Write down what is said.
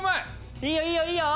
いいよいいよいいよ！